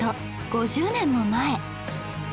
５０年も前